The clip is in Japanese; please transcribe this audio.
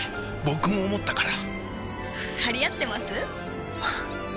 僕も思ったから張り合ってます？